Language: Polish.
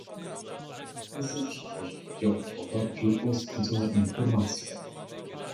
Nie zawsze możemy działać w oparciu o skrócone informacje